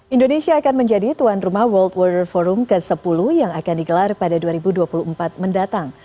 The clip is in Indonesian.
indonesia akan menjadi tuan rumah world water forum ke sepuluh yang akan digelar pada dua ribu dua puluh empat mendatang